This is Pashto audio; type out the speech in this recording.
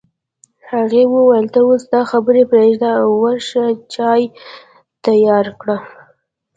هغې وویل ته اوس دا خبرې پرېږده او ورشه چای تيار کړه